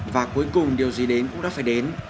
và cuối cùng điều gì đến cũng đã phải đến